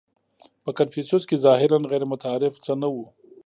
• په کنفوسیوس کې ظاهراً غیرمتعارف څه نهو.